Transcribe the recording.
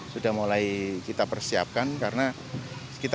sudah mulai kita persiapkan karena